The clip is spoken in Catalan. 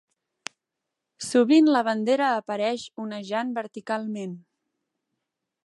Sovint la bandera apareix onejant verticalment.